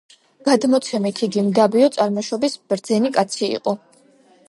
გადმოცემით, იგი მდაბიო წარმოშობის ბრძენი კაცი იყო.